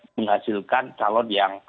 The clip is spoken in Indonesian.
menghasilkan calon yang